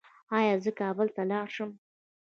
ایا زه کابل ته لاړ شم؟